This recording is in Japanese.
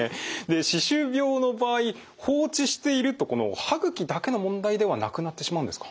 歯周病の場合放置しているとこの歯ぐきだけの問題ではなくなってしまうんですか？